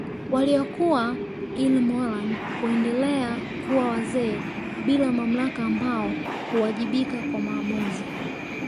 Waliokuwa ilmoran huendelea kuwa wazee bila mamlaka ambao huwajibika kwa maamuzi